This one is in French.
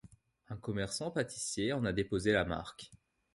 Un commerçant pâtissier en a déposé la marque.